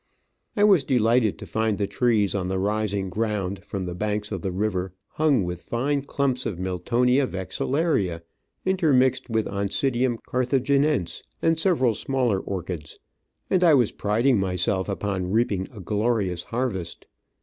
I was delighted to find the trees on the rising ground from the banks of the river hung with fine clumps of Miltonia vexillaria^ intermixed with Oncidium Carthaginense and several smaller orchids, and I was priding myself upon reaping a glorious harvest.